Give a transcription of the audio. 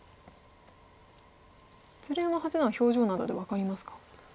鶴山八段は表情などで分かりますか？